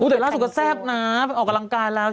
แต่ล่าสุดก็แซ่บนะไปออกกำลังกายแล้ว